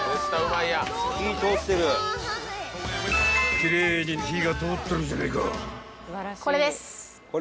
［奇麗に火が通ってるじゃねえか］